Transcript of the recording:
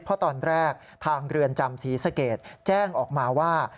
เพราะตอนแรกทางเรือนจำศรีสเกตแจ้งออกมาว่า